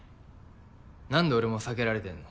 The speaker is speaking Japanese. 何で俺も避けられてんの？